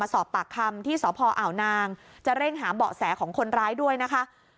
สอบปากคำที่สพอ่าวนางจะเร่งหาเบาะแสของคนร้ายด้วยนะคะ